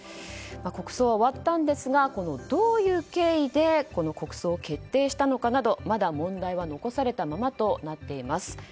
国葬は終わったんですがどういう経緯でこの国葬を決定したのかなどまだ問題は残されたままとなっています。